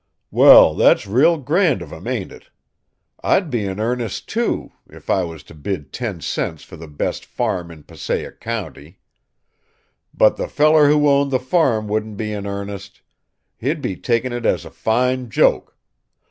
Well, that's real grand of him, ain't it! I'd be in earnest, too, if I was to bid ten cents for the best farm in Passaic County. But the feller who owned the farm wouldn't be in earnest. He'd be taking it as a fine joke.